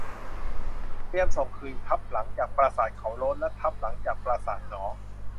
เตรียมส่งคืนทับหลังจากปราสาทเขาโล้นและทับหลังจากปราสาทหนอ